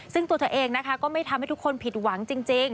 ซึ่งตัวเธอเองนะคะก็ไม่ทำให้ทุกคนผิดหวังจริง